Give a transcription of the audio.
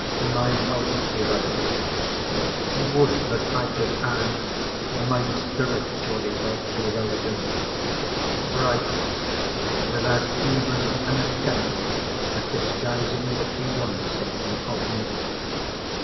My wealthy relative—would that I could add my spiritually wealthy relative!—writes, without even an attempt at disguising that he wants something of me.